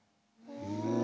へえ。